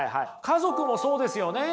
家族もそうですよね。